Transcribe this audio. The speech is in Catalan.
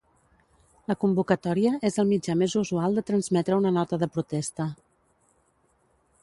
La convocatòria és el mitjà més usual de transmetre una nota de protesta.